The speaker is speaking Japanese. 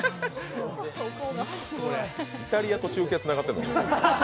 イタリアと中継つながってるのん？